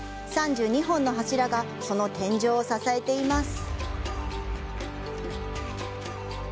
３２本の柱がその天井を支えています。